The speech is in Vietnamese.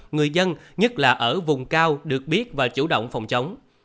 người dân nhất là ở vùng cao được biết và chủ động phòng chống